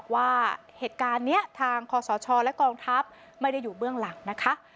ว่าสชและกองทัพไม่ได้อยู่เบื้องหลังนะคะ